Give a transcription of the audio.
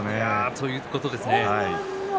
そういうことですね。